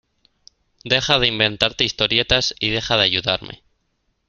deja de inventarte historietas y deja de ayudarme.